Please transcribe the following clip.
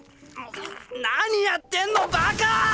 何やってんのバカァ！